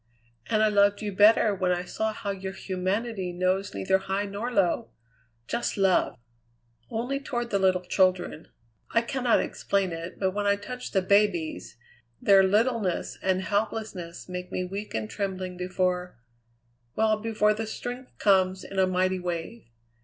"And I loved you better when I saw how your humanity knows neither high nor low just love!" "Only toward little children. I cannot explain it, but when I touch the babies, their littleness and helplessness make me weak and trembling before well, before the strength comes in a mighty wave.